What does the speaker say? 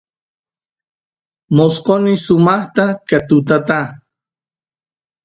mosqoysh sumaqta ka katuta